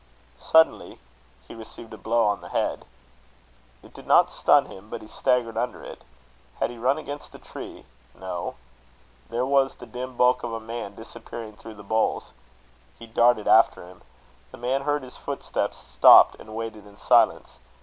Suddenly he received a blow on the head. It did not stun him, but he staggered under it. Had he run against a tree? No. There was the dim bulk of a man disappearing through the boles. He darted after him. The man heard his footsteps, stopped, and waited in silence.